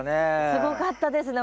すごかったですね。